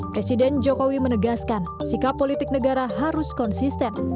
presiden jokowi menegaskan sikap politik negara harus konsisten